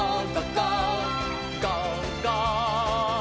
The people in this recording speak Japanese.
「ゴーゴー！」